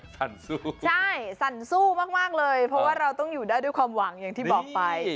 สู้ใช่สั่นสู้มากเลยเพราะว่าเราต้องอยู่ได้ด้วยความหวังอย่างที่บอกไป